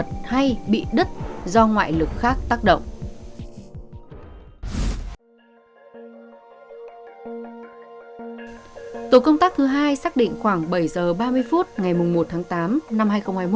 tổ công tác thứ hai xác định khoảng bảy h ba mươi phút ngày một tháng tám năm hai nghìn hai mươi một